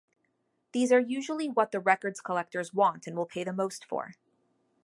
These are usually what the records collectors want and will pay the most for.